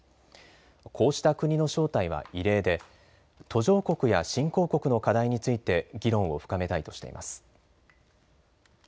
こうした国の招待は異例で途上国や新興国の課題について議論を深めたいとしています。